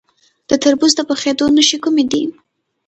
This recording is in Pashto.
د تربوز د پخیدو نښې کومې دي؟